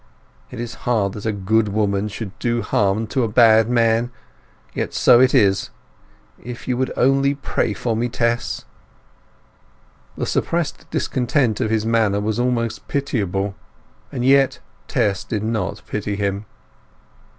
It is hard that a good woman should do harm to a bad man; yet so it is. If you would only pray for me, Tess!" The suppressed discontent of his manner was almost pitiable, and yet Tess did not pity him.